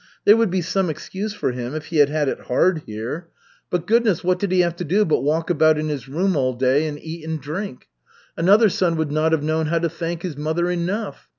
There would be some excuse for him if he had had it hard here. But goodness, what did he have to do but walk about in his room all day and eat and drink? Another son would not have known how to thank his mother enough.